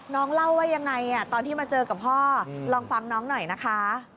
เล่าว่ายังไงตอนที่มาเจอกับพ่อลองฟังน้องหน่อยนะคะ